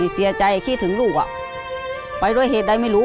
เสียใจคิดถึงลูกไปด้วยเหตุใดไม่รู้